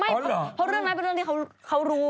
เพราะเรื่องนั้นเป็นเรื่องที่เขารู้